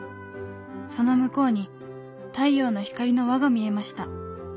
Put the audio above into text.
その向こうに太陽の光の環が見えました。